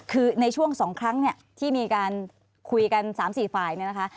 คือในช่วง๒ครั้งเนี่ยที่มีการคุยกัน๓๔ฝ่ายเนี่ยนะคะ